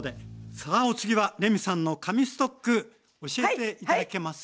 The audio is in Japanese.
さあお次はレミさんの神ストック教えて頂けます？